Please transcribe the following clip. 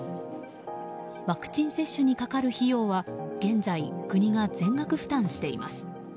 ワクチン接種にかかる費用は現在、国が全額負担しています。